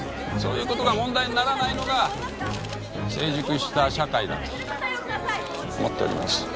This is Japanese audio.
そういう事が問題にならないのが成熟した社会だと思っております。